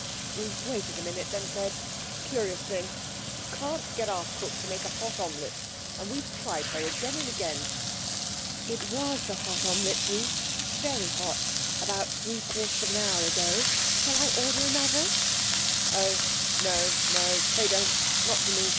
Bruce waited a minute, then said 'Curious thing, you can't get our cook to make a hot omelette! And we've tried her again and again.' 'It was a hot omelette, Bruce very hot about three quarters of an hour ago. Shall I order another?' 'No oh, no pray don't not for me.